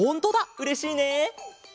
うれしいね。